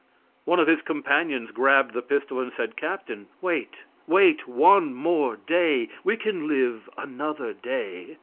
One of his companions grasped the pistol and said: "Captain, wait; wait one day more. We can live another day."